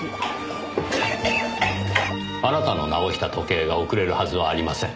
あなたの直した時計が遅れるはずはありません。